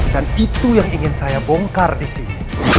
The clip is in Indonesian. dan itu yang ingin saya bongkar disini